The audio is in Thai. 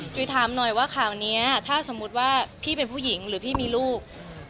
จุ๋ยถามหน่อยว่าข่าวนี้ถ้าสมมุติว่าพี่เป็นผู้หญิงหรือพี่มีลูก